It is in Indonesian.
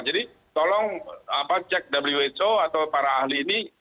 jadi tolong cek who atau para ahli ini